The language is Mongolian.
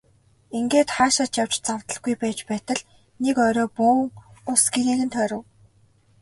Ингээд хаашаа ч явж завдалгүй байж байтал нэг орой бөөн улс гэрийг нь тойров.